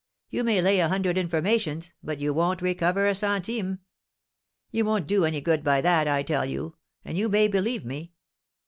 You may lay a hundred informations, but you won't recover a centime. You won't do any good by that, I tell you, and you may believe me.